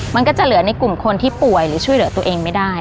มันก็จะเหลือในกลุ่มคนที่ป่วยหรือช่วยเหลือตัวเองไม่ได้